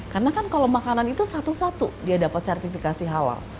karena kan kalau makanan itu satu satu dia dapat sertifikasi halal